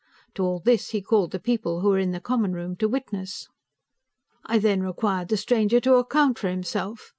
To all this, he called the people who were in the common room to witness. I then required the stranger to account for himself.